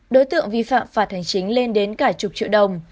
đối tượng vi phạm phạt hành chính lên đến cả chục triệu đồng